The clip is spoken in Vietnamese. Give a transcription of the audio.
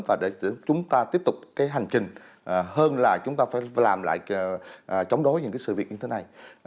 và để chúng ta tiếp tục cái hành trình hơn là chúng ta phải làm lại chống đối những cái sự việc như thế này